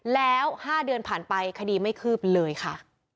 แล้ว๕เดือนผ่านไปคดีไม่คืบเลยค่ะ